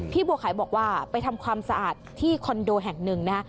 บัวขายบอกว่าไปทำความสะอาดที่คอนโดแห่งหนึ่งนะฮะ